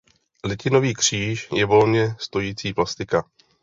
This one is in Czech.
Litinový kříž je volně stojící plastika.